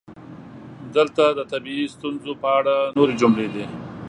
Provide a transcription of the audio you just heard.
دلته د طبیعي ستونزو په اړه نورې جملې دي: